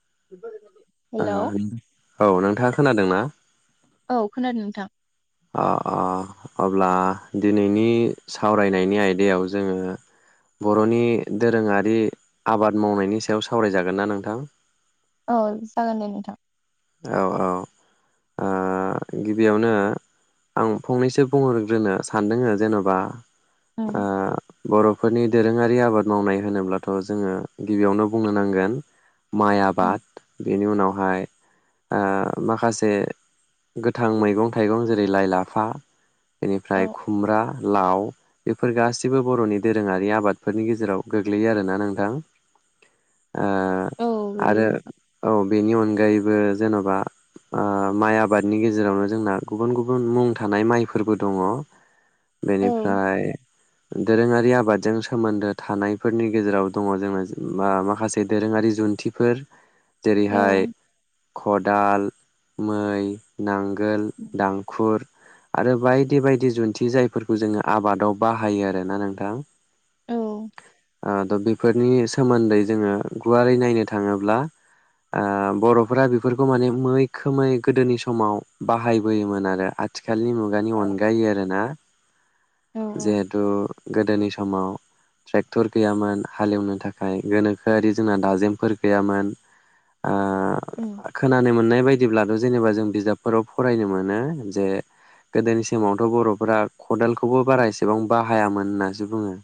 [inaudible] [unintelligible] औ नोंथां खोनादों ना? औ खोनादों नोंथां। अ अ अब्ला दिनैनि सावरायनायनि आयदायाव जोङो बर'नि दोरोङारि आबाद मावनायनि सायाव सावरायजागोन ना नोंथां? औ जागोन दे नोंथां। औ औ ओ गिबियावनो आं फंनैसो बुंहरग्रोनो सानदों जेनबा [unintelligible] फोरनि दोरोङारि आबाद मावनाय होनोब्लाथ' जोङो गिबियावनो बुंनो नांगोन माइ उम आबाद। बेनि उनावहाय ओ माखासे गोथां मैगं थाइगं, जेरै- लाइ लाफा। औ बेनिफ्राय खुमब्रा। लाव, बेफोर गासिबो बर'नि दोरोङारि आबादफोरनि गेजेराव गोग्लैयो आरोना नोंथां? ओ औ आरो गोलैयो नोंथां औ बेनि अनगा गायोबो। जेनबा माइ आबादनि गेजेरावनो जोंना गुबुन गुबुन मुं थानाय माइफोरबो दङ। औ बेनिफ्राय दोरोङारि आबादजों सोमोन्दो थानायफोरनि गेजेराव दङ जोङो माखासे दोरोङारि जुन्थिफोर। औ जेरैहाय खदाल, मै, नांगोल, दांखुर आरो बायदि बायदि जुन्थि जायफोरखौ जोङो आबादाव बाहायो आरोना नोंथां। औ बेफोरनि सोमोन्दै जोङो गुवारै नायनो थाङोब्ला बर' फोरा बेफोरखौ माने मैखोमै गोदोनि समाव बाहायबोयोमोन आरो आथि खालनि मुगानि अनगायै आरो ना? उम जिहेतु गोदोनि समाव ट्रेक्टर गैयामोन हालेवनो थाखाय गोनोखोआरि जोंना दाजेमफोर गैयामोन। ओ औ खोनानो मोननाय बायदिब्लाथ'। जेनेबा जों बिजाबफोराव फरायनो मोनो जे गोदोनि समावथ' बर'फोरा खदालखौबो बारा एसेबां बाहायामोन होननासो बुङो।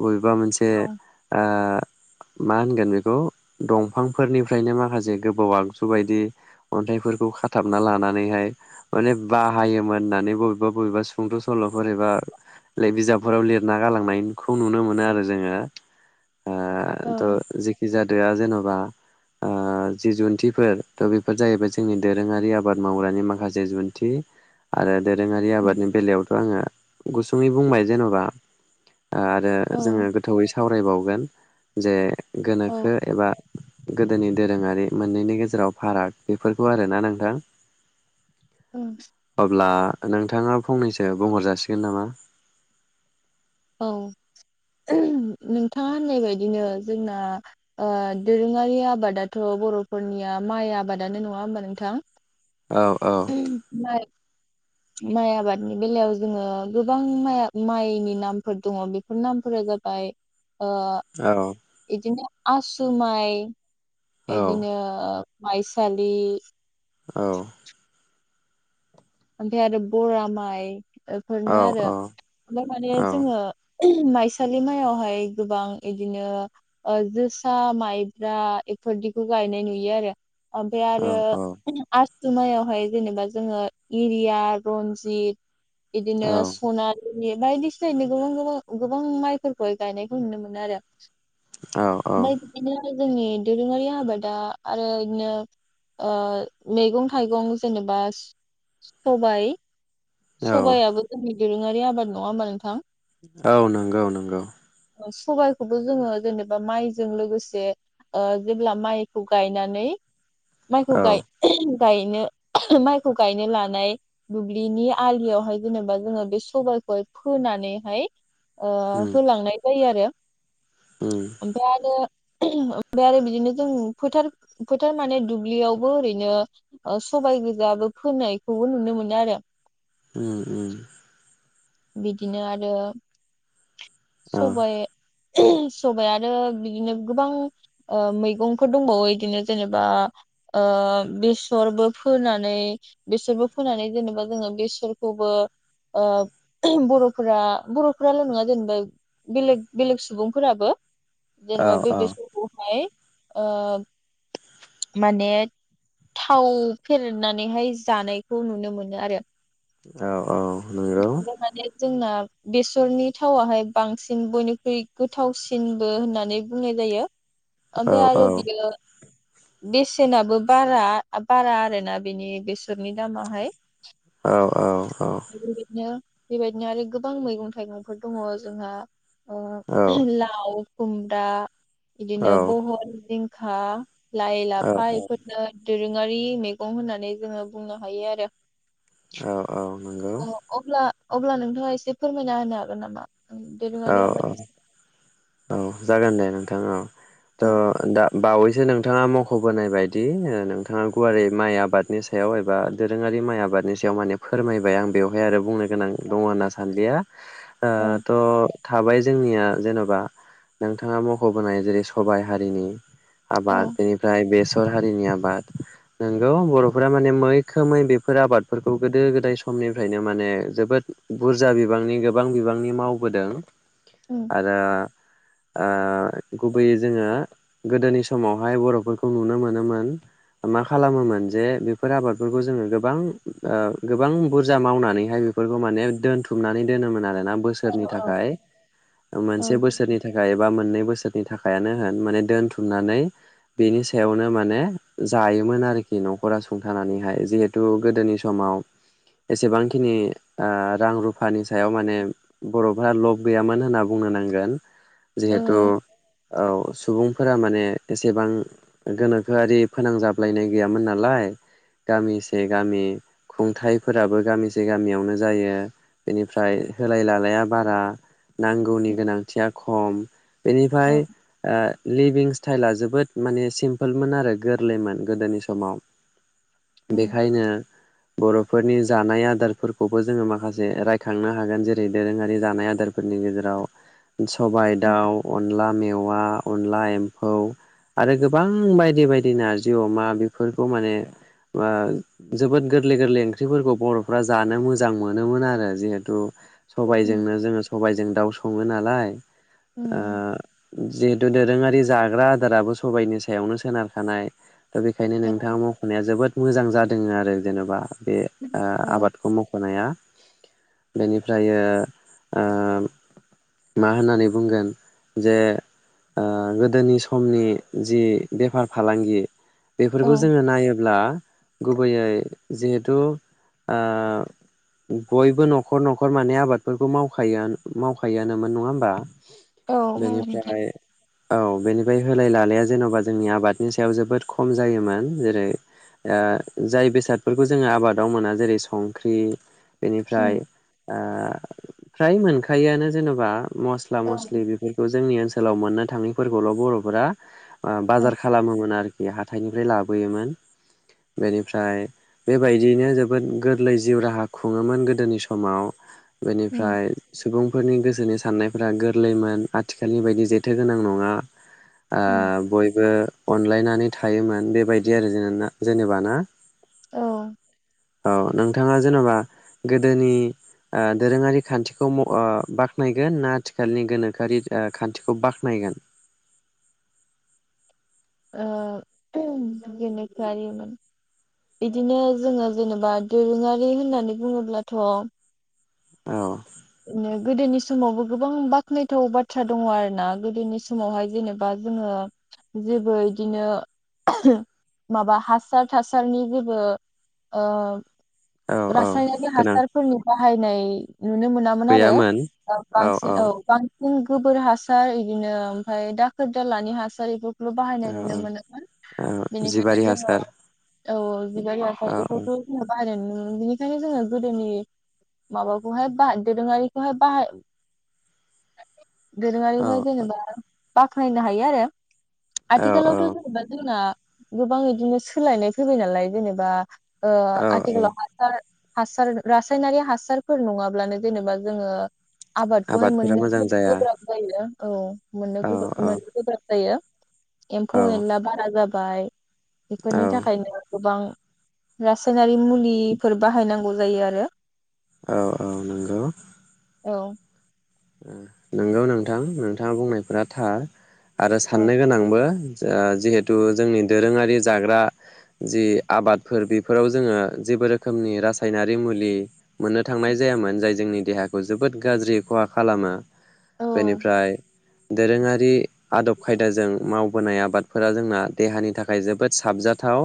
बबेबा मोनसे ओ मा होनगोन बेखौ? दंफांफोरनिफ्रायनो माखासे गो बौ आगजु बायदि अन्थाइफोरखौ खाथाबना लानानैहाय माने बाहायोमोन होननानै बबेबा बबेबा सुद' सल'फोर एबा बिजाबफोराव लिर ना गालांनायखौ नुनो मोनो आरो जोङो। ओ द जेखि जादोआ जेनबा। ओ। जि जुन्थिफोर थ बेफोर जाहैबाय जोंनि दोरोंङारि आबाद मावग्रानि माखासे जुन्थि आरो। दोरोंङारि उम आबादनि बेलायावथ आंङो। गुसुंङै बुंबाय जेनबा आरो जोंङो औ गोथौयै सावरायबावगोन। जे औ गोनोखो एबा गोदोनि दोरोंङारि। मोननैनि गेजेराव फाराग बेफोरखौ आर ना नोंथां। अब्ला नोंथां। नोंथांङा फंनैसो बुंहर जासिगोन नामा? औ नोंथांङा होननाय बायदिनो जोंना ओ दोरोंङारि आबादाथ बरफोरनिया माइ आबादानो नंङा होमबा नोंथां औ औ माइ माइ आबादनि बेलायाव जोंङो गोबां माइ माइनि नामफोर दंङ बेफोर नामफोरा जाबाय ओ औ इदिनो आसुमाय इदिनो औ ओ माइसालि औ ओफ्राय आरो आरो बरा माय औ बेफोरनो आरो औ ओमफ्राय माने औ जोंङो माइसालि माइयावहाय गोबां बिदिनो जोसा, माइब्रा इफोरदिखौ गायनाय नुयो आरो ओमफाय औ आरो आस जुमाइयावहाय जेनेबा जोंङो इरिया, रनजित बिदिनो सनार बायदिसिनानि गोबां-गोबां-गोबां माइफोरखौहाय गायनायखौ नुनो मोनो आरो औ औ ओमफ्राय बिदिनो जोंनि दोरोंङारि आबादा आरो इदिनो ओ मैगं थाइगं जेनेबा सबाय औ सबाय आबो जोंनि दोरोंङारि आबाद नंङा होनबा नोंथां औ नोंगौ-नोंगौ सबाइखौबो जोंङो जेनेबा माइजों लोगोसे ओ जेब्ला माइखौ गायनानै माइखौ औ गाय गायनो माइखौ गायनो लानाय दुब्लिनि आलियावहाय जेनेबा जोङो बे सबायाइखौहाय फोनानैहाय ओ उम होलांनाय जायो आरो उम [inaudible] ओफ्राय आरो ओमफ्राय आरो बिदिनो जों फोथार फोथार माने दुब्लियावबो ओरैनो सबाय गोजाबो फोनायखौबो नुनो मोनो आरो उम उम बिदिनो आरो औ सबाय सबाय आरो बिदिनो गोबां ओ मैगंफोर दंबावो बिदिनो जेनेबा ओ बेसरबो फोनानै बेसरबो फोनानै जेनेबा जोङो बेसरखौबो ओ बर'फोरा बर'फोराल नङा जेनेबा बेलेग बेलेग सुबुंफोराबो औ जेनेबा बे औ बेसरखौहाय ओ माने थाव फेरनानैहाय जानायखौ नुनो मोनो आरो औ औ नोंगौ ओमफ्राय माने जोंना बेसरनि थावाहाय बांसिन बयनिख्रुइ गोथावसिनबो होननानै बुंनाय जायो औ ओमफ्राय औ आरो बिदिनो बेसेनाबो बारा बारा आरोना बेनि बेसरनि दामाहाय औ औ [unintelligible] बेबायदिनो आरो गोबां मैगं थाइगंफोर दङ जोंहा ओ औ लाव खुमब्रा बिदिनो बहल जिं खा लाइ लाफा इफोरनो दोरोङारि मैगं होननानै जोङो बुंनो हायो आरो औ औ नोंगौ अ अब्ला अब्ला नोंथाङा एसे फोरमायना होनो हागोन नामा औ दोरोङारि आबादनि औ जागोन दे नोंथां औ थ सायाव दा बावैसो नोंथाङा मखबोनाय बायदि नोंथाङा गुवारै माइ आबादनि सायाव एबा दोरोङारि माइ आबादनि सायाव माने फोरमायबाय आं बेवहाय आरो बुंनो गोनां दङ होनना सान्दिया ओ औ त थाबाय जोंनिया जेनबा नोंथाङा मख बोनाय जेरै सबाइ हारिनि औ आबाद बेनिफ्राय बेस र हारिनि आबाद नोंगौ बरफोरा माने मैखोमै बेफोर आबादफोरखौ गोदो गोदाय समनिफ्रायनो माने जोबोद बुरजा बिबांनि गोबां बिबांनि मावबोदों उम आरो ओ गुबैयै जोङो गोदोनि समावहाय बरफोरखौ नुनो मोनोमोन मा खालामोमोन जे बेफोर आबादफोरखौ जोङो गोबां ओ गोबां बुरजा मावनानैहाय बेफोरखौ माने दोनथुमनानै दोनोमोन आरो ना औ बोसोरनि थाखाय औ मोनसे बोसोर एबा मोननै बोसोरनि थाखायानो होन माने दोनथुमनानै बेनि सायावनो माने जायोमोन आरोखि नखरा सुंथानानैहाय जिहेथु गोदोनि समाव एसेबांखिनि आ रां रुफानि सायाव माने बरफ्रा लब गैयामोन होनना बुंनो नांगोन जिहेथु औ औ सुबुंफोरा माने एसेबां गोनोखोआरि फोनांजाबलायनाय गैयामोन नालाय गामि से गामि खुंथाइफोराबो गामि से गामियावनो जायो बेनिफ्राय होलाय लालाया बारा नांगौनि गोनां खम औ बेनिफ्राय ओ लिभिंस्थ थाइला जोबोद माने सिम्पोलमोन आरो गोरलैमोन गोदोनि समाव उम बेखायनो बरफोरनि जानाय आदारफोरखौबो जोङो माखासे रायखांनो हागोन जेरै दोरोङारि जानाय आदारफोरनि गेजेराव सबायाइ उम दाउ अनला मेव अवा अनला एम्फौ आरो गोबां बायदि बायदि नारजि अमा बेफोरखौ माने ओ जोबोथ गोरलै गोरलै ओंख्रिफोरखौ बरफ्रा जानो मोजां मोनोमोन आरो जिहेथु उम सबायाइजोंनो जोङो सबायजों दाउ सङो नालाय उम ओ जि दोरोङारि जाग्रा आदाराबो सबाइनि सायावनो सोनारखानाय दा बेखायनो औ नोंथाङा मखनाया जोबोद मोजां जा जोङो आरो जेनेबा बे ओ आबादखौ मखनाया बेनिफ्राय ओ आम मा होननानै बुंगोन जे ओ गोदोनि समनि जि बेफार फालांगि औ बेफोरखौ जोङो नायोब्ला गुबैयै जिहेथु ओ बयबो नखर नखर माने आबादफोरखौ मावखायो मावखायोनो मोन नङा होमबा औ मावो नोंथां बेनिफ्राय औ बेनि बे होलाय लालाया जेनबा जोंनि आबादनि सायाव जोबोद खम जायोमोन जेरै ओ जाय बेसादफोरखौ जोङो आबादाव मोना जेरै संख्रि बेनिफ्राय उम ओ फ्राय मोनखायोआानो जेन बा मस्ला औ मस्लि बेफोरखौ जोंनि ओनसोल सोलाव मोननो थाङैफोरखौल बर'फोरा ओ औ बाजार खालामोमोन आरो बे हाथाइनिफ्राय लाबोयोमोन बेनिफ्राय बेबायदियैनो जोबोद गोरलै जिउ राहा खुङोमोन गोदोनि समाव। उम बेनिफ्राय सुबुंफोरनि गोसो सोनि साननायफ्रा गोरलैमोन आथिखालनि बायदि जेथो गोनां नङा। ओ उम बयबो अनलायनानै थायोमोन बेबायदि आरो जेने-जेनेबा ना। औ। औ नोंथाङा जेनबा गोदोनि ओ दोरोङारि खान्थिखौ म ओ बाख नायगोन ना आथिखालनि गोनोखोआरि ओ खान्थिखौ बाख्नायगोन? ओ गोनोखोआरिमोन बिदिनो जोङो जेनेबा दोरोङारि होननानै बुङोब्लाथ' औ। उम गोदोनि समावबो गोबां बाख्नायथाव बाथ्रा दङ आरोना गोदोनि समावहाय जेनेबा जोङो जेबो इदिनो माबा हासार थासारनि जेबो ओ औ औ रासायनिक गोनां हासारफोरनि बाहायनाय नुनो मो मोन आरो गैयामोन बांसिन औ बां उम गोबोर हासार इदिनो ओमफाय दाखोर दालानि हासार एफो ल बाहायनाय औ नुनो मोनोमोन औ बेनिखायनो जिबारि जोङो हासार औ बिबार औ [unintelligible] जों बाहायनाय नु उम बिनिखायनो जोङो गोदोनि माबाखौहाय बा दोरोङारिखौहाय बाहाय औ दोरोङारिखौहाय जेनेबा बाख्नायनो हायो आरो। औ आथिखालावथ जेनेबा जोंना गोबां इदिनो सोलायनाय फैबाय नालाय जेनेबा ओ औ औ आथिखालाव हासार हासार रासायनारि हासारफोर नङाब्लानो जेनेबा जोङो आबादखौहाय आबादफोरा मोननो मोजां जाया गोब्राब जायो। औ। मोननो औ गोबा मोननो गोब्राब जायो। एम्फौ औ एला बारा जाब बाय औ बेफोरनि थाखायनो गोबां रासायनारि मुलिफोर बाहायनांगौ जायो आरो। औ औ नोंगौ। औ। नंगौ नोंथां नोंथाङा बुंनायफोरा थार। आरो औ साननो गोनांबो। जा जिहेथु जोंनि दोरोङारि जाग्रा जि आबादफोर बेफोराव जोङो जेबो रोखोमनि रासायनारि मुलि मोननो थांनाय जायामोन जाय जोंनि देहाखौ जोबोद गाज्रि खहा खालामा। औ बेनिफ्राय दोरोङारि आदब खायदाजों माव मावबोनाय आबादफोरा जोंना देहानि थाखाय जोबोद साबजाथाव।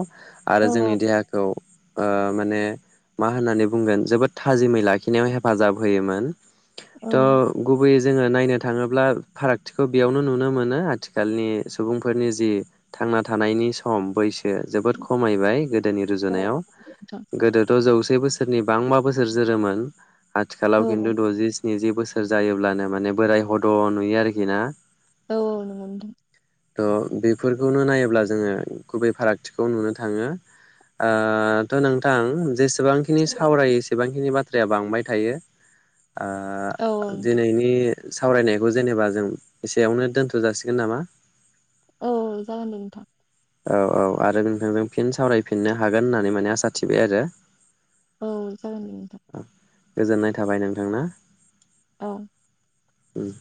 आरो जोंनि औ देहाखौ ओ माने मा होननानै बुंगोन जोबोद थाजिमै लाखिनायाव हेफाजाब होयोमोन। थह गुबैयै जोङो नायनो थाङोब्ला फारागथिखौ बेयावनो नुनो मोनो आथिखालनि सुबुंफोरनि जि थांना थानायनि सम बैस जोबोद खमायबाय गोदोनि औ रुजुनायाव नोंथां गोदोथ' जौ से बोसोरनि बांबा बोसोर जोरोमोन। आथिखालाव औ खिन्थु दजि स्निजि बोसोर जायोब्लानो माने बोराय हद' नुयो आरोखि ना। औ औ नोंगों नोंथां। थ' बेफोरखौनो नायोब्ला जोङो गुबै फारागथिखौ नुनो थाङो। ओ थ' नोंथां जेसेबांखिनि सावरायो एसेबांखिनि बाथ्राया बांबाय थायो। आ औ औ नोंथां दिनैनि सावरायनायखौ जेनेबा जों एसेयावनो दोन्थ' जासिगोन नामा? औ जागोन दे नोंथां। औ औ आरो नोंथांजों फिन सावरायफिननो हागोन होननानै माने आसा थिबाय आरो। औ जागोन दे नोंथां। गोजोननाय थाबाय नोंथां ना। औ। उम।